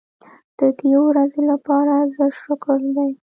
د دې ورځې لپاره زر شکر دی.